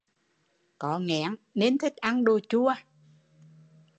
Có nghén nên thích ăn đồ chua